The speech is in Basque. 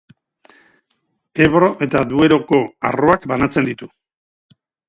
Ebro eta Dueroko arroak banatzen ditu.